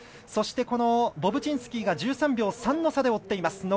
そして、ボブチンスキーが１３秒３の差で追っています。